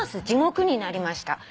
地獄になりました」